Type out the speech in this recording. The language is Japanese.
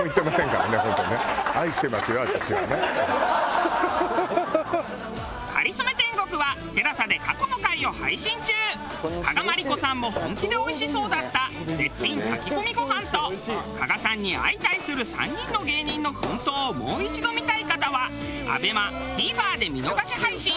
『かりそめ天国』は加賀まりこさんも本気でおいしそうだった絶品炊き込みご飯と加賀さんに相対する３人の芸人の奮闘をもう一度見たい方はＡＢＥＭＡＴＶｅｒで見逃し配信。